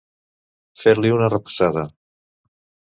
Fer-li una repassada.